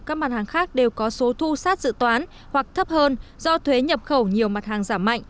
các mặt hàng khác đều có số thu sát dự toán hoặc thấp hơn do thuế nhập khẩu nhiều mặt hàng giảm mạnh